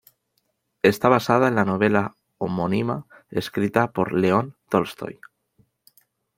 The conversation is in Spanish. Está basada en la novela homónima escrita por León Tolstói.